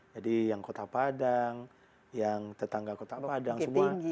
jadi yang kota padang yang tetangga kota padang semua